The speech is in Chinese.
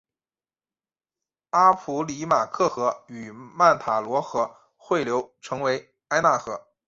阿普里马克河与曼塔罗河汇流成为埃纳河。